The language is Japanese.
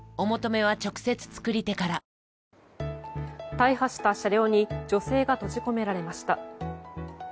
大破した車両に女性が閉じ込められました。